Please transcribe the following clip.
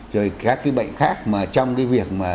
rồi các cái bệnh khác mà trong cái việc mà